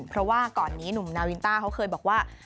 เพราะว่าก่อนนี้หนุ่มนาวินต้าเขาเคยบอกว่า